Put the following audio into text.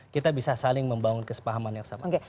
kita bisa saling membangun kesepahaman yang sama